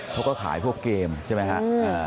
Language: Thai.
เขาก็ขายพวกเกมใช่ไหมครับ